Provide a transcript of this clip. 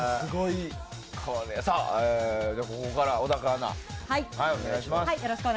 ここから小高アナお願いします。